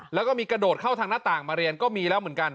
แล้วก็มีกระโดดเข้าทางหน้าต่างมาเรียนก็มีแล้วเหมือนกัน